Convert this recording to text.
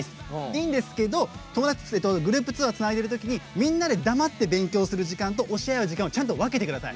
いいんですけど、グループ通話でつないでるときにみんなで黙って勉強する時間と教えあう時間は分けてください。